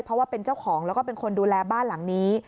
เพราะว่าเป็นเจ้าของแล้วก็เป็นคนดูแลบ้านหลังนี้